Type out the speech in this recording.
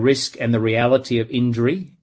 risiko dan realitas penyakit